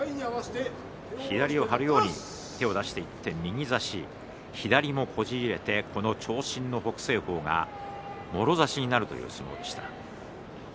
左を張るように手を出していって長身の北青鵬がもろ差しになるという相撲でした。